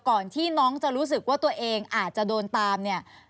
ก่อนที่น้องจะรู้สึกว่าตัวเองอาจจะโดนตามเนี่ย